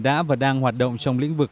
đã và đang hoạt động trong lĩnh vực